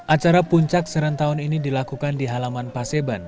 acara puncak serentauan ini dilakukan di halaman paseban